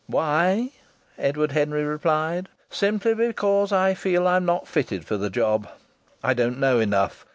"Why?" Edward Henry replied. "Simply because I feel I'm not fitted for the job. I don't know enough.